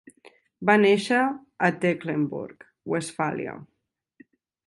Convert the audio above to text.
Va néixer a Tecklenburg, Westfàlia.